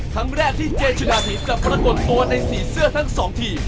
ครั้งแรกที่เจชนาธินทร์จะปรากฏตัวในสี่เสื้อทั้งสองที